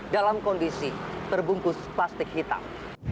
dalam kondisi terbungkus plastik hitam